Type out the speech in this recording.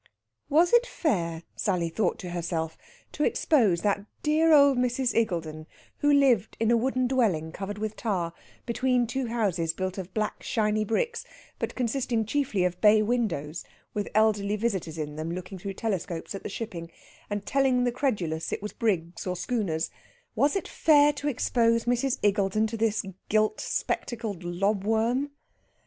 Was it fair, Sally thought to herself, to expose that dear old Mrs. Iggulden, who lived in a wooden dwelling covered with tar, between two houses built of black shiny bricks, but consisting chiefly of bay windows with elderly visitors in them looking through telescopes at the shipping, and telling the credulous it was brigs or schooners was it fair to expose Mrs. Iggulden to this gilt spectacled lob worm?